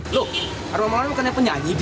loh alman moulana bukan yang penyanyi deh